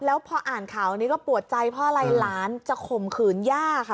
แล้วพออ่านข่าวนี้ก็ปวดใจเพราะอะไรหลานจะข่มขืนย่าค่ะ